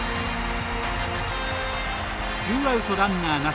ツーアウトランナーなし。